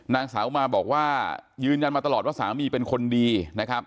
นางสาวมาบอกว่ายืนยันมาตลอดว่าสามีเป็นคนดีนะครับ